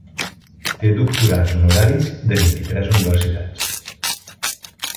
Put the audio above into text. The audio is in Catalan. Té doctorats honoraris de vint-i-tres universitats.